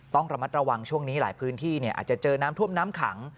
ต้องระมัดระวังช่วงนี้หลายพื้นที่อาจจะเจอน้ำท่วมน้ำขัง